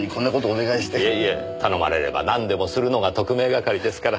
いえいえ頼まれればなんでもするのが特命係ですから。